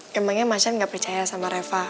emangnya macan gak percaya sama reva